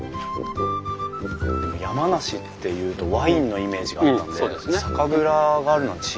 でも山梨っていうとワインのイメージがあったんで酒蔵があるなんて知りませんでした。